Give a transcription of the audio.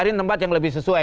cari tempat yang lebih sesuai